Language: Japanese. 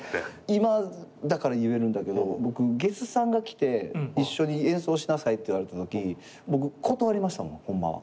今だから言えるんだけど僕ゲスさんが来て「一緒に演奏しなさい」って言われたとき僕断りましたもんホンマは。